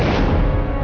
mereka sudah sampai